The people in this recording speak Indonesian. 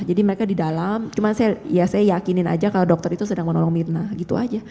jadi mereka di dalam cuman saya yakinin aja kalau dokter itu sedang menolong mirna gitu aja